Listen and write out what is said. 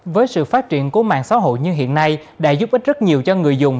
với sự phát triển của mạng xã hội như hiện nay đã giúp ích rất nhiều cho người dùng